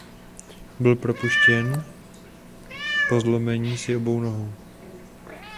Byl propuštěn po zlomení si obou nohou.